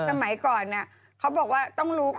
ใช่สมัยก่อนเขาบอกว่าต้องรู้